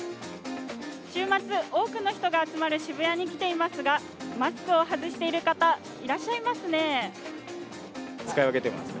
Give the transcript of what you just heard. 週末、多くの人が集まる渋谷に来ていますがマスクを外している方、いらっしゃいますね。